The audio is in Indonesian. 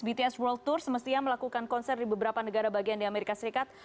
bts world tour semestinya melakukan konser di beberapa negara bagian di amerika serikat